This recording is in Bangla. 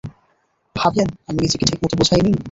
ভাবছেন, আমি নিজেকে ঠিকমতো বোঝাইনি?